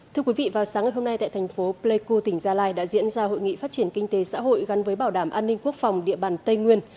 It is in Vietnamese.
thưa quý vị vào sáng ngày hôm nay tại thành phố pleiku tỉnh gia lai đã diễn ra hội nghị phát triển kinh tế xã hội gắn với bảo đảm an ninh quốc phòng địa bàn tây nguyên